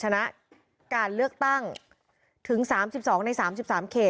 โหวตตามเสียงข้างมาก